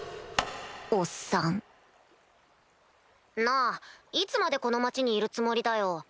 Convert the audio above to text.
おっさんなぁいつまでこの町にいるつもりだよ。